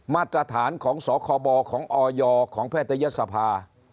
มาตรฐานของสคบของออยของแพทยศภา